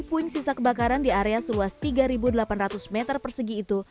puing sisa kebakaran di area seluas tiga delapan ratus meter persegi itu